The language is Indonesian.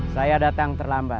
saya sudah relaks